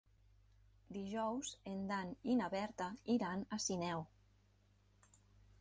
Dijous en Dan i na Berta iran a Sineu.